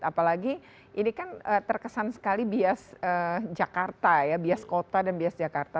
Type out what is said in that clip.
apalagi ini kan terkesan sekali bias jakarta ya bias kota dan bias jakarta